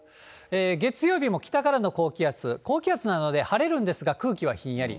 月曜日も北からの高気圧、高気圧なので晴れるんですが空気はひんやり。